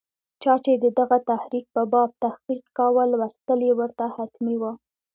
چا چې د دغه تحریک په باب تحقیق کاوه، لوستل یې ورته حتمي وو.